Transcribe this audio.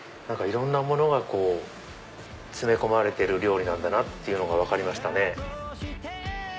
いろんなものが詰め込まれてる料理なんだなっていうのが分かりましたね。